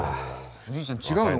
おじいちゃん違うの？